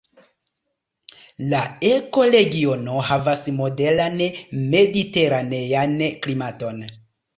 La ekoregiono havas moderan mediteranean klimaton.